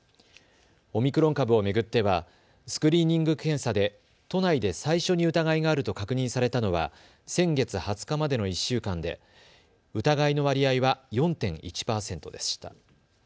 オミクロン株を巡ってはスクリーニング検査で都内で最初に疑いがあると確認されたのは先月２０日までの１週間で疑いの割合は４．１％でした。